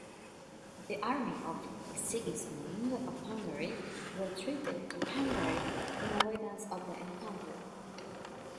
The army of Sigismund of Hungary retreated to Hungary in avoidance of the encounter.